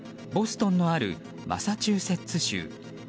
ボストンのあるマサチューセッツ州。